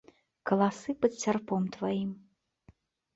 Каласы пад сярпом тваім.